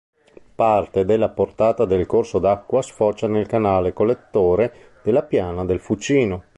Parte della portata del corso d'acqua sfocia nel canale collettore della piana del Fucino.